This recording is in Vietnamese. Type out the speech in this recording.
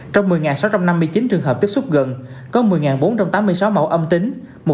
trong một mươi sáu trăm năm mươi chín trường hợp tiếp xúc gần có một mươi bốn trăm tám mươi sáu mẫu âm tính